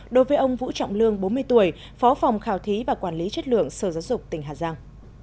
đối với ông vũ trọng lương bốn mươi tuổi phó phòng khảo thí và quản lý chất lượng sở giáo dục tỉnh hà giang